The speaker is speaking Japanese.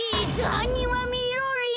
はんにんはみろりん。